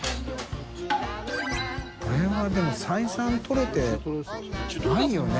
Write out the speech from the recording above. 海譴でも採算取れてないよね。